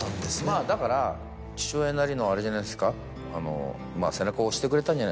まぁだから父親なりのあれじゃないですか。